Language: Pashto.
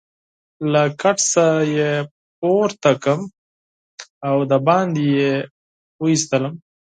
له کټ څخه يې پورته کړم او دباندې يې وایستلم.